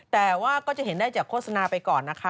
แต่ว่าก็จะเห็นได้จากโฆษณาไปก่อนนะคะ